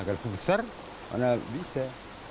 kalau besar mana bisa